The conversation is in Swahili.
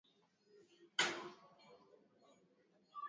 Wanajeshi wa kitengo cha anga Marekani wamepelekwa Poland